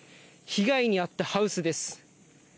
被害に遭ったハウスです。